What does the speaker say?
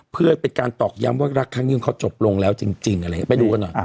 เพื่อเป็นการตอบย้ำว่ารักทั้งยุ่งเขาจบลงแล้วจริงจริงอะไรอย่างเงี้ยไปดูก่อนหน่อยอ่า